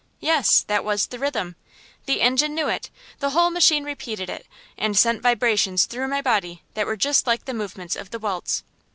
Yes, that was the rhythm. The engine knew it, the whole machine repeated it, and sent vibrations through my body that were just like the movements of the waltz.